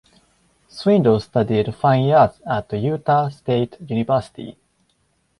Swindle studied fine arts at Utah State University.